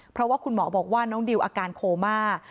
เพราะว่าคุณหมอบอกว่าน้องดิวอาการโคม่า